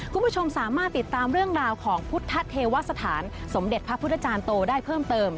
คุณผู้ชมสามารถติดตามเรื่องราวของพุทธเทวสถานสมเด็จพระพุทธจารย์โตได้เพิ่มเติม